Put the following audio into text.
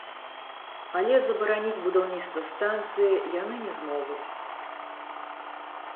Але забараніць будаўніцтва станцыі яны не змогуць.